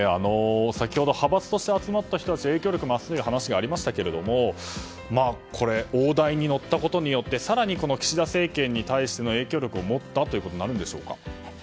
先ほど派閥として集まった人たちは影響力が増すという話がありましたが大台に乗ったことによって更に岸田政権に対しての影響力を持ったということになるんでしょうか。